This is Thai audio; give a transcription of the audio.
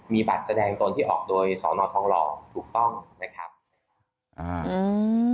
มีบัตรแสดงตนที่ออกโดยสอนอทองหล่อถูกต้องนะครับอ่าอืม